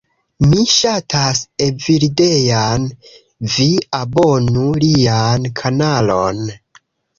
Mi ŝatas Evildean. Vi abonu lian kanalon.